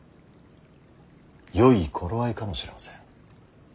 よい頃合いかもしれません。